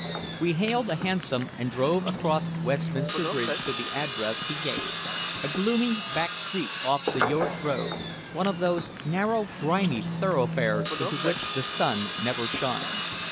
We hailed a hansom and drove across Westminster Bridge to the address he gave a gloomy back street off the York Road, one of those narrow, grimy thoroughfares into which the sun never shines.